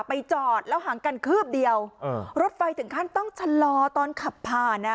จอดแล้วห่างกันคืบเดียวเออรถไฟถึงขั้นต้องชะลอตอนขับผ่านอ่ะ